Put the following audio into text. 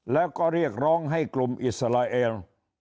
แล้วก็เรียกร้องให้กลุ่มอิสราเอล